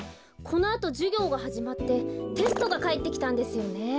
このあとじゅぎょうがはじまってテストがかえってきたんですよね。